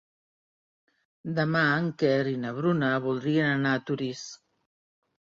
Demà en Quer i na Bruna voldrien anar a Torís.